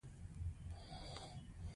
استاد د ژوند د رښتیاوو درس ورکوي.